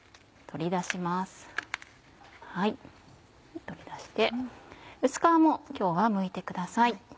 取り出して薄皮も今日はむいてください。